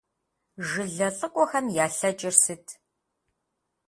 Жылэ лӀыкӀуэхэм ялъэкӀыр сыт?